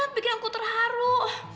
bikin aku terharu